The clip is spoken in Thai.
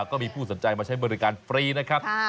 ก็มีผู้สนใจมาใช้บริการฟรีนะครับ